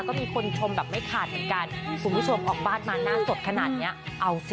ก็มีคนชมแบบไม่ขาดเหมือนกันคุณผู้ชมออกบ้านมาหน้าสดขนาดเนี้ยเอาสิ